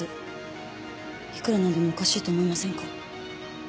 いくら何でもおかしいと思いませんか？